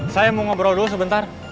saya mau ngobrol dulu sebentar